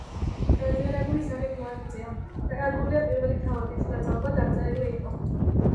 დაზიანებული სახით მოაღწია. დაკარგულია პირველი თავები, სადაც, ალბათ, აღწერილი იყო